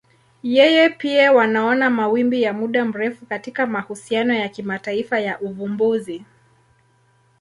Yeye pia wanaona mawimbi ya muda mrefu katika mahusiano ya kimataifa ya uvumbuzi.